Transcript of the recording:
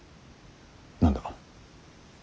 何だ。